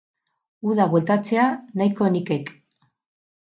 Uda bueltatzea nahiko nikek